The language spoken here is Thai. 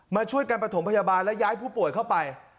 มาช่วยกันประถมพยาบาลและย้ายผู้ป่วยเข้าไป